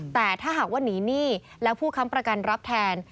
แต่ถ้าหากว่าหนีหนี้แล้วผู้ค้ำประกันรับแทน